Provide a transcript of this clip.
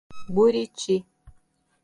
Buriti